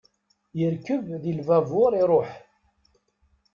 Yerkeb di lbabur, iruḥ.